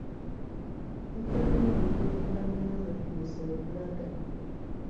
Tujja kuyimirira oluvannyuma nga tutuuse we tulaga.